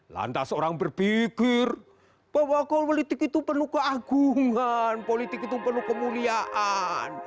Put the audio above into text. lantas orang berpikir bahwa politik itu penuh keagungan politik itu penuh kemuliaan